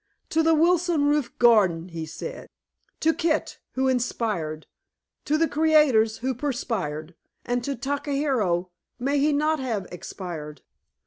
"To the Wilson roof garden!" he said. "To Kit, who inspired; to the creators, who perspired; and to Takahiro may he not have expired."